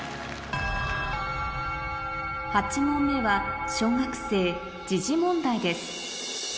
８問目は小学生問題です